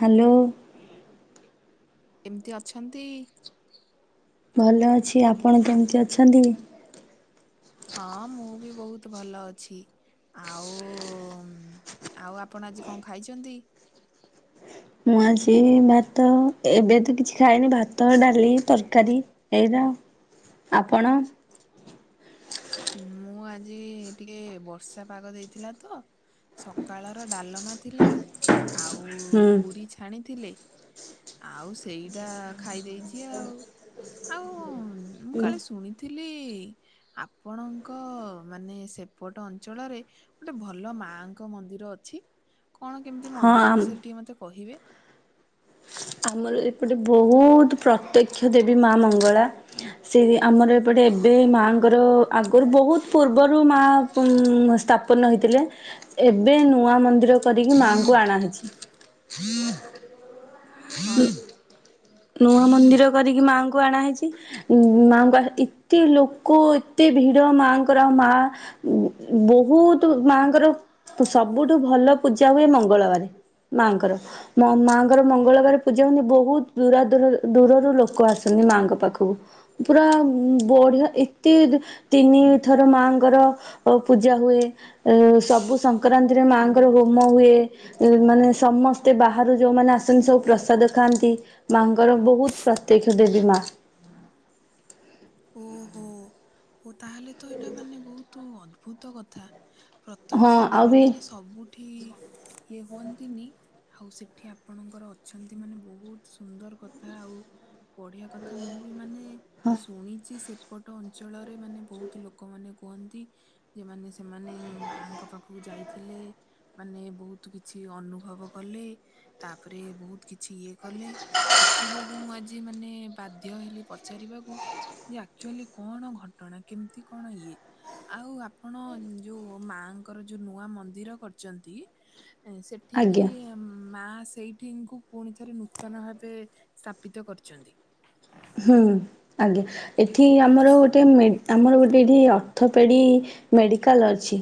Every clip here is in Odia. ହ୍ୟାଲୋ। ଏମିତି ଅଛନ୍ତି? ଭଲ ଅଛି ଆପଣ କେମିତି ଅଛନ୍ତି? ହଁ ମୁଁ ବି ବହୁତ ଭଲ ଅଛି। ଆଉ ଆଉ ଆପଣ ଆଜି କଣ ଖାଇଛନ୍ତି? ମୁଁ ଆଜି ଭାତ ଏବେ ତ କିଛି ଖାଇନି ଭାତ ଡାଲି ତରକାରୀ ଏଇଟା ଆପଣ? ମୁଁ ଆଜି ଟିକେ ବର୍ଷା ପାଗ ଦେଇଥିଲା ତ। ସକାଳର ଡାଲମା ଥିଲା ଆଉ ପୁରୀ ଛାଣିଥିଲି। ଆଉ ସେଇଟା ଖାଇ ଦେଇଛି ଆଉ ଆଉ ମୁଁ କାଳେ ଶୁଣିଥିଲି ଆପ ଆପଣଙ୍କ ମାନେ ସେପଟ ଅଞ୍ଚଳରେ ଗୋଟେ ଭଲ ମାଙ୍କ ମନ୍ଦିର ଅଛି କଣ କେମିତି ମନ୍ଦିର ବିଷୟରେ ଟିକେ ମତେ କହିବେ? ଆମର ଏପଟେ ବହୁତ ପ୍ରତ୍ୟକ୍ଷ ଦେବୀ ମା ମଙ୍ଗଳା ସେ ଆମର ବଟ ଏବେ ମାଆଙ୍କର ଆଗରୁ ବହୁତ ପୂର୍ବରୁ ମା ଉ ସ୍ଥାପନ ହେଇଥିଲେ। ଏବେ ନୂଆ ମନ୍ଦିର କରିକି ମାଆଙ୍କୁ ଆଣାହେଇଛି। ହଁ। ନୂଆ ମନ୍ଦିର କରିକି ମାଆଙ୍କୁ ଆଣା ହେଇଛି ମାଙ୍କୁ ଏତେ ଲୋକ। ଏତେ ଭିଡ ମାଙ୍କର ମା ବହୁତ ମାଙ୍କର ସବୁଠୁ ଭଲ ପୂଜା ହୁଏ ମଙ୍ଗଳବାର। ମାଙ୍କର ମାଙ୍କର ମଙ୍ଗଳବାର ପୂଜା ହୁନ୍ତି ବହୁତ ଦୂୁରା ଦୂର ଦୂରରୁ ଲୋକ ଆସନ୍ତି ମାଆଙ୍କ ପାଖକୁ। ପୁରା ବଢିଆ ଏତେ ଦୁ ତିନିଥର ମାଙ୍କର ପୂଜା ହୁଏ। ଅ ସବୁ ସଂକ୍ରାନ୍ତିରେ ମାଆଙ୍କର ହୋମ ହୁଏ ମାନେ ସମ ମତେ ବାହାରୁ ଯୋଉମାନେ ଆସନ୍ତି ସବୁ ପ୍ରସାଦ ଖାଆନ୍ତି। ମାଙ୍କର ବହୁତ ପ୍ରତ୍ୟକ୍ଷ ଦେବି ମା। ଓହୋ ଓ ତାହେଲେ ତ ଏଇଟା ମାନେ ବହୁତ ଅଦ୍ଭୁତ କଥା। ପ୍ରତ୍ୟକ୍ଷ ଦେବୀ ମାନେ ସବୁଠି ଇଏ ହୁଅନ୍ତିନି। ଆଉ ସେଠି ଆପଣଙ୍କର ଅଛନ୍ତି ମାନେ ବହୁତ ସୁନ୍ଦର କଥା ଆଉ। ପଢିବା କଥା ମୁଁ ବି ମାନେ ହଁ। ଶୁଣିଛି ସେପଟ ଅଞ୍ଚଳରେ ମାନେ ବହୁତ ଲୋକମାନେ କୁହନ୍ତି ଯେମାନେ ସେମାନେ ମାଙ୍କ ପାଖକୁ ଯାଇଥିଲେ। ମାନେ ବହୁତ କିଛି ଅନୁଭବ କଲେ ତାପରେ ବହୁତ କିଛି ଇଏ କଲେ। ସେଥି ଯୋଗୁ ମୁଁ ଆଜି ମାନେ ବାଧ୍ୟ ହେଲି ପଚାରିବାକୁ ଯେ ଆକ୍ଚୁଆଲି କଣ ଘଟଣା କେମିତି କଣ ଇଏ। ଆଉ ଆପଣ ଯୋଉ ମାଙ୍କର ଯୋଉ ନୂଆଁ ମନ୍ଦିର କରିଚନ୍ତି ଏ ସେ ଠିକି ମା ସେଇଠିଙ୍କୁ ପୁଣି ଥରେ ନୂତନ ଭାବେ ସ୍ଥାପିତ କରିଛନ୍ତି। ହୁଁ ଆଜ୍ଞା ଏଠି ଆମର ଗୋଟେ ଏ ଆମର ଗୋଟେ ଏଠି ଅ ଅଥପେଡି ମେଡିକାଲ ଅଛି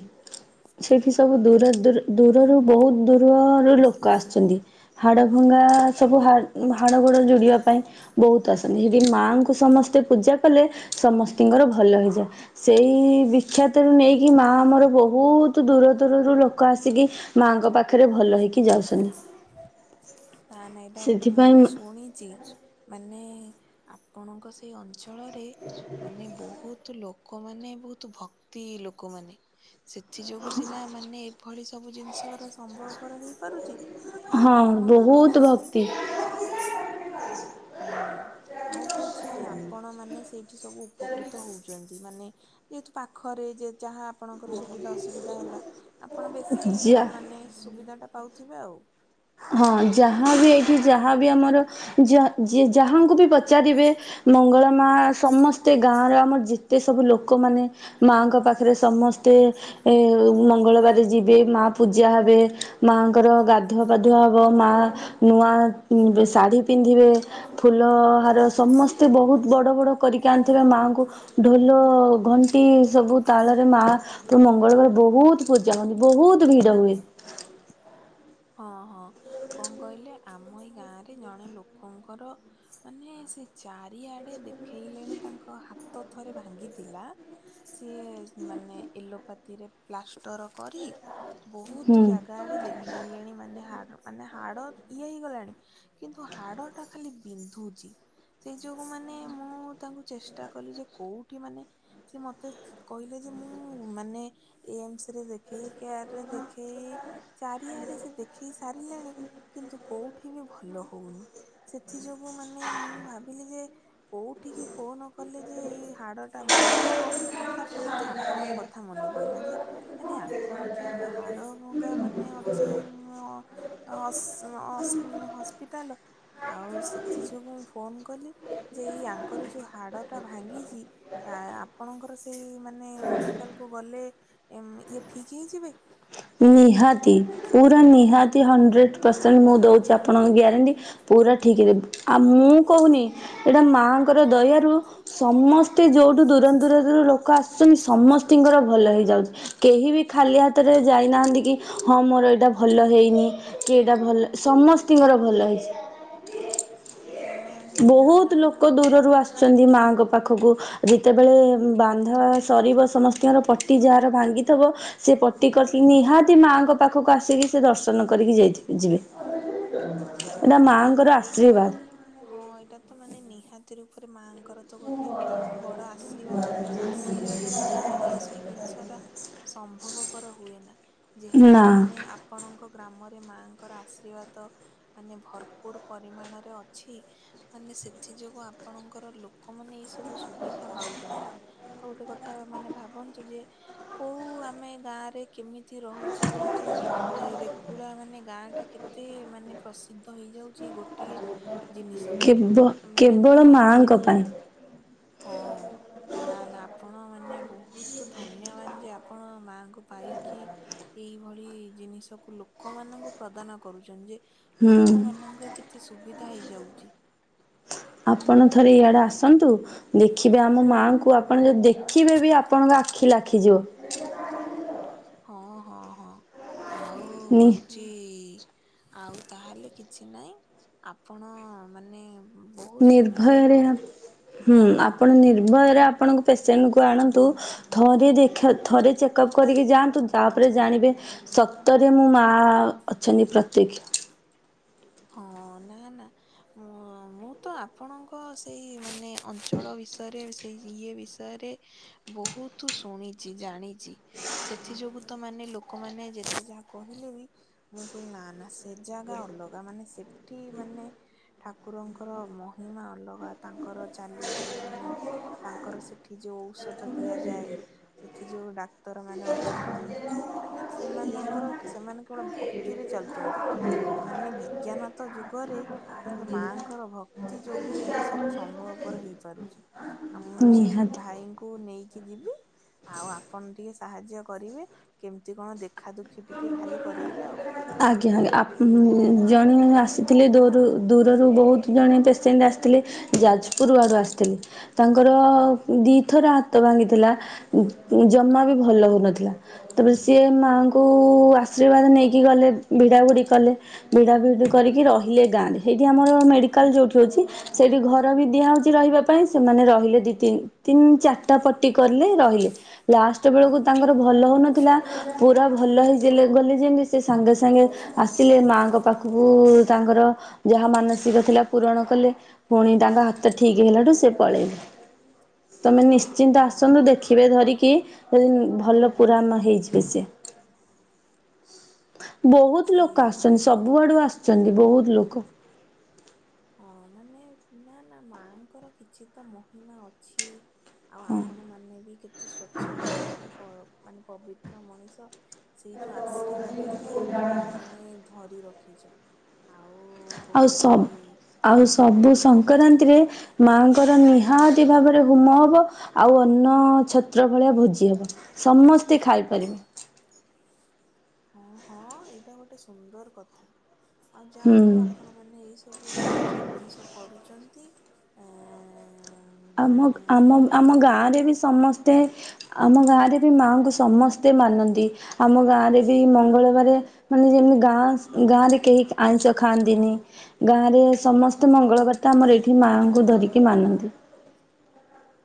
ସେଠି ସବୁ ଦୂର ଦୁର ଦୂରରୁ ବହୁତ ଦୂରରୁ ଲୋକ ଆସୁଛନ୍ତି। ହାଡ ଭଙ୍ଗା ସବୁ ହା ହାଡ ଗୋଡ ଯୋଡିବା ପାଇଁ ବହୁତ ଆସ ବିବି ମାଙ୍କୁ ସମସ୍ତେ ପୂଜା କଲେ ସମସ୍ତିଙ୍କର ଭଲ ହେଇଯାଏ ସେଇ ବି ବିକ୍ଷାତରୁ ନେଇକି ମାଆ ଆମର ବହୁତ ଦୂର ଦୂରରୁ ଲୋକ ଆସିକି ମାଙ୍କ ପାଖରେ ଭଲ ହେଇକି ଯାଉଛନ୍ତି। ନା ନାଇଁ ଏଇଟା ଗୋଟେ ମୁଁ ବି ଶୁ ଣିଛି ମାନେ ଆପଣଙ୍କ ସେଇ ଅଞ୍ଚଳରେ ମାନେ ବହୁତ ତୁ ଲୋକମାନେ ବହୁତ ଭକ୍ତି ଲୋକମାନେ। ସେଥି ଯୋଗୁ ସିନା ମାନେ ଏଇଭଳି ସବୁ ଜିନିଷରା ସମ୍ଭବପର ହେଇପାରୁଛି। ନହେଲେ ଆପଣ ଭାବୁନାହାନ୍ତି ହୁଁ ଆଉ ହଉଛି ଆପଣ ମାନେ ସେଇଠି ସବୁ ଉପକୃତ ହଉଛନ୍ତି ମାନେ ଯେହେତୁ ପାଖରେ ଯେ ଯାହା ଆପଣଙ୍କର ସୁବିଧା ଅସୁବିଧା ହେଲା ଆପଣ ବେଶୀ ଭ ମାନେ ସୁବିଧାଟା ପାଉଥିବେ ଆଉ। ହଁ ଯାହାବି ଏଇଠି ଯାହାବି ଆମର ଯା ଯିଏ ଯାହାଙ୍କୁ ବି ପ ପଚାରିବେ ମଙ୍ଗଳ ମା ସମସ୍ତେ ଗାଁର ଆମର ଯେତେ ସବୁ ଲୋକମାନେ ମାଙ୍କ ପାଖରେ ସମସ୍ତେ ଏ ମଙ୍ଗଳବାରେ ଯିବେ ମା ପୂଜା ହେବେ। ମାଆଙ୍କର ଗାଧୁଆ ଧୁଆ ହବ ମା ନୂଆ ବେ ଶାଢ଼ୀ ପିନ୍ଧିବେ ଫୁଲ ହାର ସମସ୍ତେ ବହୁତ ବଡ ବଡ କରିକି ଆଣିଥିବେ ମାଙ୍କୁ ଢୋଲ ଘଣ୍ଟି ଏସବୁ ତାଳରେ ମା ପୁ ମଙ୍ଗଳବାର ବହୁତ ପୂ ଯାହନ୍ତି ବହୁତ ଭିଡ଼ ହଏ। ହଁ ହଁ କଣ କହିଲେ ଆମ ଏଇ ଗାଁ ରେ ଜଣେ ଲୋକଙ୍କର ମାନେ ସେ ଚାରିଆଡେ ଦେଖେଇଲେଣି ତାଙ୍କ ହାତ ଥରେ ଭାଙ୍ଗିଥିଲା। ସିଏ ମାନେ ଏଲୋପାତିରେ ପ୍ଲାଷ୍ଟର କରି ବହୁତ ଜାଗା ଆଡେ ଦେଖେଇଲେଣି ମାନେ ହଡ଼ ମାନେ ହାଡ଼ ଇଏ ହେଇଗଲାଣି। କିନ୍ତୁ ହାଡ ଟା ଖାଲି ବିନ୍ଧୁଛି। ସେଇ ଯୋଗୁ ମାନେ ମୁଁ ତାଙ୍କୁ ଚେଷ୍ଟା କଲି ଯେ କୋଉଠି ମାନେ ସେ ମତେ କହିଲେ ଯେ ମୁଁ ମାନେ ଏମ୍ସ ରେ ଦେଖେଇ କେୟାର ରେ ଦେଖେଇ ଚାରିଆଡେ ସେ ଦେଖେଇ ସାରିଲେଣି କିନ୍ତୁ କୋଉଠି ବି ଭଲ ହଉନି। ସେଥି ଯୋଗୁ ମାନେ ମୁଁ ଭାବିଲି ଯେ କୋଉଠିକି ଫୋନ୍ କଲେ ଯେ ଏଇ ହାଡ଼ଟା ଭଲ ହବ। ତାପରେ ମତେ ଆପଣଙ୍କ କଥା ମନେ ପଇଲା ଯେ ଆରେ ୟାଙ୍କର ତ ଗୋଟେ ହାଡ଼ଭଙ୍ଗା ମାନେ ଅଛି [unintelligible] ହସ୍ପିଟାଲ ଆଉ ସେଥି ଯୋଗୁଁ ମୁଁ ଫୋନ କଲି। ଯେ ଏଇ ଆଙ୍କର ଯୋଉ ହାଡ ଟା ଭାଙ୍ଗିଚି ଆ ଆପଣଙ୍କର ସେଇ ମାନେ ମେଡିକାଲକୁ ଗଲେ ଇଏ ଠିକ ହେଇଯିବେ। ନିହାତି ପୁରା ନିହା ତି ହଣ୍ଡ୍ରେଡ ପରସେଣ୍ଟ ମୁଁ ଦୋଉଚି ଆପଣଙ୍କ ଗ୍ୟାରେଣ୍ଟି ପୁରା ଠିକ ହେବେ। ଆଉ ମୁଁ କୋହୁନି ଏଇଟା ମାଆଙ୍କର ଦୟାରୁ ସମସ୍ ଯେତେ ଯୋଉଠୁ ଦୂର ଦୂରାନ୍ତରୁ ଲୋକ ଆସୁଛନ୍ତି ସମସ୍ତଙ୍କର ଭଲ ହେଇଯାଉଚି। କେହି ବି ଖାଲି ହାତରେ ଯା ଇନାହାନ୍ତି କି ହଁ ମୋର ଏଇଟା ଭଲ ହେଇନି କି ଏଇଟା ଭଲ ସମସ୍ତୀ ଙ୍କର ଭଲ ହେଇଚି। [inaudible] ବୋହୁତ ଲୋକ ଦୂରରୁ ଆସୁଛନ୍ତି ମାଙ୍କ ପାଖକୁ। ଯେତେବେଳେ ବାନ୍ଧା ସରିବ ସମସ୍ତିଙ୍କର ପଟି ଯାହାର ଭାଙ୍ଗିଥବ। ସେ ପଟି କ ନି ହା ତି ମାଙ୍କ ପାଖକୁ ଆସିକି ସେ ଦର୍ଶନ କରିକି ଯାଇଥି ବେ ଯି ଏଟା ମାଆଙ୍କର ଆଶୀର୍ବାଦ। ହଁ ଏଇଟା ତ ମାନେ ନିହାତି ରୂପରେ ମାଆଙ୍କର ତ ଗୋଟେ ବଡ ଆଶୀର୍ବାଦ ଆଶୀର୍ବାଦ ନହେଲେ [unintelligible] ଜିନିଷ ଟା ସମ୍ଭବପର ହୁଏ ନା ଯେହେତୁ ମାନେ ଆ ଆପଣଙ୍କ ଗ୍ରାମରେ ମାଙ୍କର ଆଶୀର୍ବାଦ ମାନେ ଭରପୁର ପରିମାଣରେ ଅଛି। ମାନେ ସେଥି ଯୋଗୁ ଆପଣଙ୍କର ଲୋକମାନେ ଏଇ ସବୁ ସୁବିଧା ପାଉଚନ୍ତି। ଆଉ ଗୋଟେ କଥା ମାନେ ଭାବନ୍ତୁ ଯେ କୋଉ ଆମେ ଗାଁରେ କେମିତି ରୋହୁଚେ କିନ୍ତୁ ଏ ରେକୁଳା ମାନେ ଗାଁ ଟା କେତେ ମାନେ ପ୍ରସିଦ୍ଧ ହେଇଯାଉଚି ଗୋଟିଏ ଜିନିଷ ପାଇଁ ମାନେ ଜେ ହଁ ନା ନା ଆପଣ ମାନେ ବୋହୁତ ଧନ୍ୟବାନ ଯେ ଆପଣ ମାଙ୍କୁ ପାଇକି ଏଇଭଳି ଜିନିଷକୁ ଲୋକମାନଙ୍କୁ ପ୍ରଦାନ କରୁଚନ୍ତି ଯେ ଲୋକମାନଙ୍କୁ କେତେ ସୁବିଧା ହେଇଯାଉଚି। ଆପଣ ଥରେ ଇଆଡ଼େ ଆସନ୍ତୁ। ଦେଖିବେ ଆମ ମାଙ୍କୁ ଆପଣ ଯଦି ଦେଖିବେ ବି ଆପଣଙ୍କ ଆଖି ଲାଖିଯିବ। ହଁ ହଁ ହଁ ଆଉ ହୋଇଚି କି ଆଉ ତାହେଲେ କିଛି ନାହିଁ ଆପଣ ମାନେ ବୋହୁତ ସୁନ୍ଦର। ହୁଁ ଆପଣ ନିର୍ଭୟରେ ଆପଣଙ୍କୁ ପେସେଣ୍ଟକୁ ଆଣନ୍ତୁ ଥରେ ଦେଖା ଥରେ ଚେକଅପ୍ କରିକି ଯାଆନ୍ତୁ ତାପରେ ଜାଣିବେ ସକ୍ତରେ ମୁଁ ମା ହଁ ନା ନା। ମୋ ମୁଁ ତ ଆପଣଙ୍କ ସେଇ ମାନେ ଅଞ୍ଚଳ ବିଷୟରେ ସେଇ ଇଏ ବିଷୟରେ ବୋହୁତୁ ଶୁଣିଚି ଜାଣିଚି। ସେଥି ଯୋଗୁ ତ ମାନେ ଲୋକମାନେ ଯେତେ ଯାହା କହିଲେ ବି ମୁଁ କହିଲି ନା ନା ସେ ଜାଗା ଅଲଗା ମାନେ ସେଠି ମାନେ ଠାକୁରଙ୍କର ମହିମା ଅଲଗା ତାଙ୍କର ଚାଲି ଚଳନୀ ତାଙ୍କର ସେଠି ଯୋଉ ଔଷଧ ଦିଆଯାଏ। ସେଠି ଯୋଉ ଡାକ୍ତର ମାନେ ଅଛନ୍ତି ମାନେ ସେମାନଙ୍କର ସେମାନେ କେବଳ ଭକ୍ତି ରେ ଚାଲୁଛନ୍ତି ମାନେ ବିଜ୍ଞାନ ତ ଯୁଗରେ କିନ୍ତୁ ମାଆଙ୍କର ଭକ୍ତି ଯୋଗୁ ହିଁ ଏସବୁ ସମ୍ଭବପର ହେଇପାରୁଛି। ଆଉ ମୁଁ ସେଇ ଭାଇଙ୍କୁ ନେଇକି ଯିବି। ଆଉ ଆପଣ ଟିକେ ସାହାଯ୍ୟ କରିବେ କେମିତି କଣ ଦେଖା ଦୁଃଖି ଟିକେ ଖାଲି କରଇବେ ଆଉ। ଆଜ୍ଞା ଆଜ୍ଞା ଆପ ଜଣେ ଆସିଥିଲେ ଦରୁରୁ ଦୂରରୁ ବହୁତ ଜଣେ ପେସେଣ୍ଟ ଆସିଥିଲେ। ଯାଜପୁର ଆଡୁ ଆସିଥିଲେ ତାଙ୍କର ଦିଥର ହାତ ଭାଙ୍ଗିଥିଲା। ଉ ଊ ଜମା ବି ଭଲ ଲାଗୁନଥିଲା। ତାପରେ ସିଏ ମାଆଙ୍କୁ ଆଶୀର୍ବାଦ ନେଇକି ଗଲେ। ଭିଡା ଭୁଡି କଲେ। ଭିଡା ଭିଡି କରିକି ରହିଲେ ଗାଁରେ। ହେଇଠି ଆମର ମେଡିକାଲ ଯୋଉଠି ହୋଉଛି ସେଇଠି ଘର ବି ଦିଆହେଉଛି ରହିବା ପାଇଁ ସେମାନେ ରହିଲେ ଦି ତିନି ତିନି ଚାରିଟା ପଟି କରିଲେ ରହିଲେ। ଲାଷ୍ଟ ବେଳକୁ ତାଙ୍କର ଭଲ ହଉନଥିଲା ପୁରା ଭଲ ହେଇଯଲେ ଗଲେ ଯେମତି ସେ ସାଙ୍ଗେ ସାଙ୍ଗ ଆସିଲେ ମାଙ୍କ ପାଖକୁ ତାଙ୍କର ଯାହା ମାନସିକ ଥିଲା ପୂରଣ କଲେ। ପୁଣି ତାଙ୍କ ହା ଶୁଣି ତାଙ୍କ ହାତ ଠିକ୍ ହେଇଗଲାଠୁ ସେ [unintelligible] ତମେ ନିଶ୍ଚିନ୍ତ ଆସନ୍ତୁ ଦେଖିବେ ଧରିକି ଯଦି ଭଲ ପୁରା ନ ହେଇଯିବେ ସିଏ। ଠିକ୍ ଅଛି। ସେଇଆ ମାନେ ହଁ ମାନେ ନା ନା ମାଆଙ୍କର କିଛି ତ ମହିମା ଅଛି। ଆଉ ଆପଣ ମାନେ ବି କେତେ ସ୍ଵଚ୍ଛ ମଣିଷ ପ ମାନେ ପବିତ୍ର ମଣିଷ। ସେଇ ଯୋଉ ଆଶୀର୍ବାଦକୁୁ ମାନେ ଧରି ରଖିଛ। ଆଉ ସବ ଆଉ ସବୁ ଶଙ୍କରାନ ନ୍ତିରେ ମାଆଙ୍କର ନିହାତି ଭାବରେ ହୁମ ହବ ଆଉ ଅନ୍ନ ଛତ୍ର ଭଳିଆ ଭୋଜି ହବ। ସମସ୍ତେ ଖାଇପାରିବେ। ହଁ ହଁ ଏଇଟା ଗୋଟେ ସୁନ୍ଦର କଥା ଆଉ ଯାହା ହଉ ଆପଣ ମାନେ ଏଇସବୁ ଜିନିଷ କରୁଛନ୍ତି। ଏଁ ଆମ ଗ୍ ଆମ ଆମ ଗାଁରେ ବି ସମସ୍ତେ ଆମ ଗାଁରେ ବି ମାଆଙ୍କୁ ସମସ୍ତେ ତେ ସମସ୍ତେ ମାନନ୍ତି। ଆମ ଗାଁରେ ବି ମଙ୍ଗଳବାର ମାନେ ଯେମିତି ଗାଁ ଗାଁରେ କେହି ଆଇଁଷ ଖାଆନ୍ତିନି। ଗାଁ ରେ ସମସ୍ତେ ମଙ୍ଗଳବାର ତ ଆମର ଏଇଠି ମାଆଙ୍କୁ ଧରିକି ମାନନ୍ତି।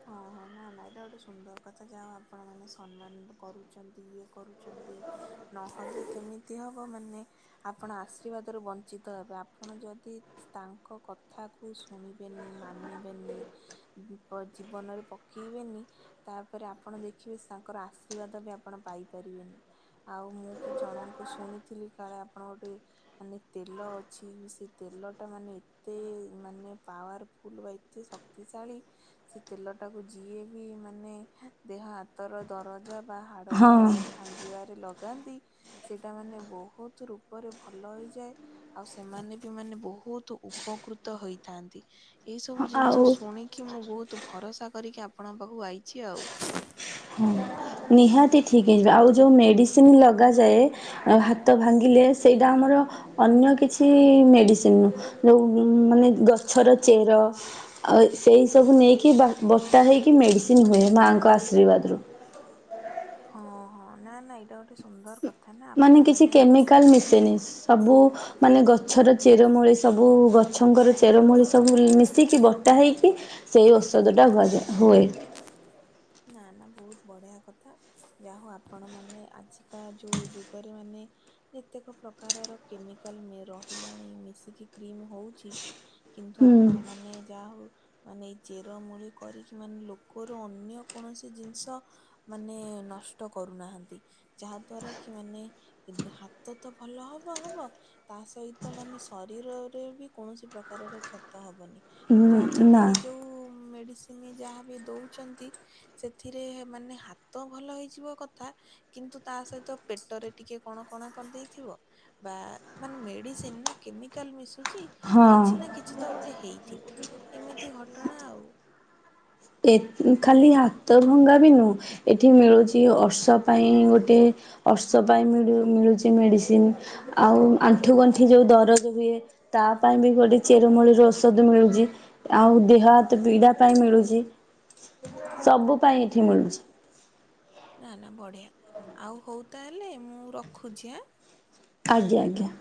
ହଁ ହଁ ନା ନା ଏଟା ଗୋଟେ ସୁନ୍ଦର କଥା ଯାହାହୋଉ ଆପଣ ମାନେ ସମ୍ମାନ କରୁଛନ୍ତି ଇଏ କରୁଛନ୍ତି। ନହେଲେ କେମିତି ହବ ମାନେ ଆପଣ ଆଶୀର୍ବାଦରୁ ବଂଞ୍ଚିତ ହେବେ। ଆପଣ ଯଦି ତାଙ୍କ କଥାକୁ ଶୁଣିବେନି ମାନିବେନି ପ ଜୀବନରେ ପକେଇବେନି ତାପରେ ଆପଣ ଦେଖିବେ ତାଙ୍କର ଆଶୀର୍ବାଦ ବି ଆପଣ ପାଇପାରିବେନି। ଆଉ ମୁଁ ବି ଜଣଙ୍କୁ ଶୁଣିଥିଲି କାଳେ ଆପଣ ଗୋଟେ ମାନେ ତେଲ ଅଛି ସେ ତେଲ ଟା ମାନେ ଏତେ ମାନେ ପାୱାର ଫୁଲ ବା ଏତେ ଶକ୍ତିଶାଳୀ ସେ ତେଲ ଟାକୁ ଯିଏ ବି ମାନେ ଦେହ ହାତର ଦର ଜ ବା ହାଡ଼ ଗୋଡ଼ ଭାଙ୍ଗିବାରେ ଲଗାନ୍ତି। ସେଇଟା ମାନେ ବହୁତ ରୂପରେ ଭଲ ହେଇଯାଏ। ଆଉ ସେମାନେ ବି ମାନେ ବହୁତ ଉପକୃତ ହେଇଥାନ୍ତି। ଏଇ ସବୁ ଜିନିଷ ଶୁଣିକି ମୁଁ ବହୁତ ଭରସା କରିକି ଆପଣଙ୍କ ପାଖକୁ ଆଇଛି ଆଉ। ନିହାତି ଠିକ୍ ହେଇଯିବେ ଆଉ ଯେଉଁ ମେଡ଼ିସିନ ଲଗାଯାଏ ହାତ ଭାଙ୍ଗିଲେ ସେଇଟା ଆମର ଅନ୍ୟ କିଛି ମେଡିସିନ ଯୋଉଁ ମାନେ ଗଛ ଛର ଚେର ଆଉ ସେଇ ସବୁ ନେଇକି ବା ବତା ହେଇକି ମେଡ଼ିସ ଚିନହି ହୁଏ ମାଙ୍କ ଆଶୀର୍ବାଦରୁ। ହଁ ହଁ ନା ନାଇଁ ଏଇଟା ଗୋଟେଏ ସୁନ୍ଦର କଥ୍। ମାନେ, କିଛି କେମିକାଲ ମିଶେନି, ସବୁ ମାନେ ଗଛର ଚେରମୂଳ, ଏଇ ସବୁ ଗଛ ଛଙ୍କର ଚେରମୂଳ ସବୁ ମିଶିକି ବଟା ହୋଇକି ସେଇ ଔଷଧଟା ହୁଆଯାଏ ହୁଏ। [inaudible] ନା ନା, ବହୁତ ବଢିଆ କଥା, ଯାହା ହଉ, ଆପଣମାନୋ ଆଜିକା ଯୋଉ ଯୁଗରେ ମାନେ ଯେତେକ ପ୍ରକାରର କେମିକାଲ ରହିଲାଣି, ମିଶିକି କ୍ରିମ ହେଉଛି। କିନ୍ତୁ ଆପଣମାନେ, ଯାହା ହଉ ମାନେ, ଏଇ ଜେର ମୂଳି କରିକି, ମାନେ ଲୋକରୁ ଅନ୍ୟ କୌଣସି ଜିନିଷ ମାନେ ନଷ୍ଟ କରୁନାହାନ୍ତି। ଯାହା ଦ୍ଵାରା କି, ମାନେ ହାତ ତ ଭଲ ହବ ହବ ତା ସହିତ, ମାନେ ଶରୀରରେ ବି କୌଣସି ପ୍ରକ ପ୍ରାକାରର ଖେତ ହବନି, କିନ୍ତୁ ଆଯି କାଲି ଯେଉ ମେଡିସିନ ତିମି ଯାହା ବି ଦଉଛନ୍ତି, ସେଥିରେ ମାନେ ହାତ ଭଲ ହେଇଯିବ କଥା। କିନ୍ତୁ ତା ସହିତ ପେଟରେ ଟିକେ କଣ କଣ କରିଦେଇଥିବ। ବା, ମାନେ ମେଡିସିନ ନା କେମିକାଲ ମିଶୁଛି? ବା, ମାନେ ମେଡିସିନ ନା କେମିକାଲ ମିଶୁଛି? ଏତ ଖାଲି ହାତ ଭଙ୍ଗା ବି ନୁହଁ। ଏଠି ମିଳୁଚି, ଅର୍ଷ ପାଇଁ, ଗୋଟେଏ ଅର୍ଷ ପାଇଁ ମିଳୁଛି ମେଡ଼ିସିନ। ଆଉ ଆଣ୍ଠୁ ଗଣ୍ଠି ଯୋଉଁ ଦରଜ ହୁଏ, ତା ପାଇଁ ବି ଗୋଟେ ଚେରମୂଳର ଔଷଧ ମିଳୁଛି। ଆଉ ଦେହ ହାତ ପୀଡ଼ା ପାଇଁ ମିଳୁଛି, ସବୁ ପାଇଁ ଏଠି ମିଳୁଛି। ନା ନା, ବଢିଆ ଆଉ ହଉଁ, ତାହେଲେ ମୁଁ ରଖୁଛି ଏଁ। ଆଜ୍ଞା, ଆଜ୍ଞା।